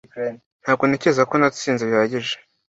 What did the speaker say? Ntabwo ntekereza ko natsinze bihagije.